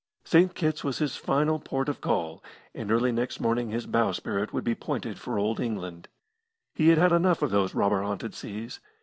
St. Kitt's was his final port of call, and early next morning his bowsprit would be pointed for Old England. He had had enough of those robber haunted seas.